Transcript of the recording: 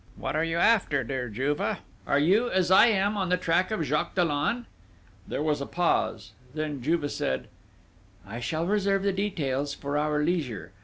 What are you after, dear Juve? Are you, as I am, on the track of Jacques Dollon?" There was a pause, then Juve said: "I shall reserve the details for our leisure.